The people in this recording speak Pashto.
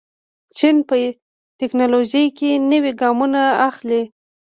چین په تکنالوژۍ کې نوي ګامونه اخلي.